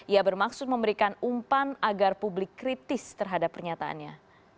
ia bermaksud memberikan umpan agar publik kritis terhadap pernyataannya